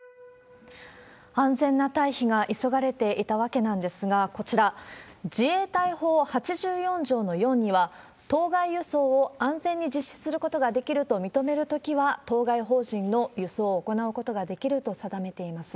安全な退避が急がれていたわけなんですが、こちら、自衛隊法８４条の４には、当該輸送を安全に実施することができると認めるときは、当該邦人の輸送を行うことができると定めています。